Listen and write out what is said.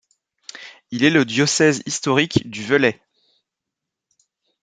Il est le diocèse historique du Velay.